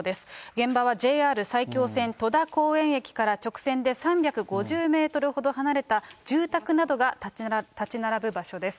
現場はＪＲ埼京線戸田公園駅から直線で３５０メートルほど離れた、住宅などが建ち並ぶ場所です。